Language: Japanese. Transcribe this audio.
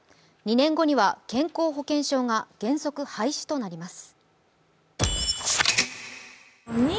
２年後には健康保険証が原則廃止となります。